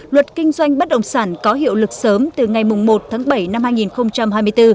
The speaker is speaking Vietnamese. luật kinh doanh bất động sản có hiệu lực sớm từ ngày một tháng bảy năm hai nghìn hai mươi bốn